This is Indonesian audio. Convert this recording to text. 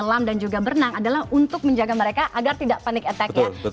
tapi juga menjaga mereka agar tidak terbunuh